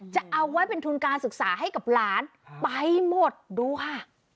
จะเอาไว้เป็นทุนการศึกษาให้กับหลานไปหมดดูค่ะ